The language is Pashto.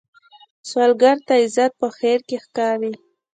سوالګر ته عزت په خیر کې ښکاري